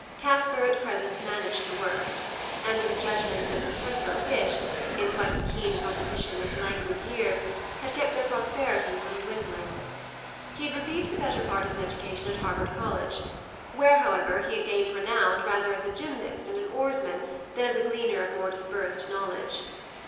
Caspar at present managed the works, and with a judgement and a temper which, in spite of keen competition and languid years, had kept their prosperity from dwindling. He had received the better part of his education at Harvard College, where, however, he had gained renown rather as a gymnast and an oarsman than as a gleaner of more dispersed knowledge.